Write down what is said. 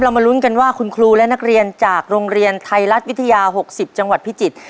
มาลุ้นกันว่าคุณครูและนักเรียนจากโรงเรียนไทยรัฐวิทยา๖๐จังหวัดพิจิตร